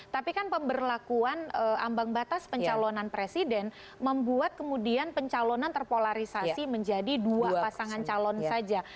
tapi kan pemberlakuan ambang batas pencalonan presiden membuat kemudian pencalonan terpolarisasi menjadi dua pasangan calon saja